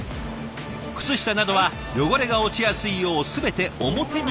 靴下などは汚れが落ちやすいよう全て表に返す。